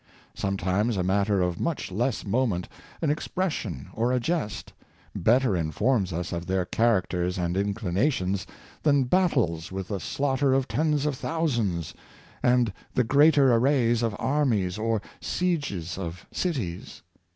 Sometimes a matter of much less mo ment, an expression or a jest, better informs us of their characters and inclinations than battles with the slaugh ter of tens of thousands, and the greater arrays of armies or sieges of cities.